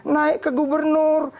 naik ke gubernur